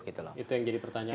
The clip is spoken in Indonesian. itu yang jadi pertanyaan